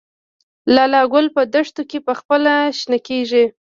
لاله ګل په دښتو کې پخپله شنه کیږي؟